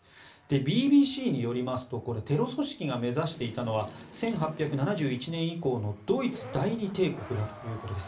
ＢＢＣによりますとテロ組織が目指していたのは１８７１年以降のドイツ第二帝国だということです。